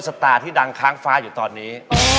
ตาที่ดังค้างฟ้าอยู่ตอนนี้